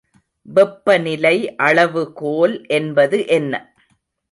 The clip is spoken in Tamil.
வெப்பநிலை அளவுகோல் என்பது என்ன?